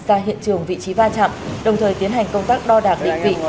ra hiện trường vị trí va chạm đồng thời tiến hành công tác đo đạc định vị